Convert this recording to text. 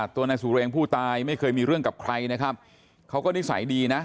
ตัวนายสุเรงผู้ตายไม่เคยมีเรื่องกับใครนะครับเขาก็นิสัยดีนะ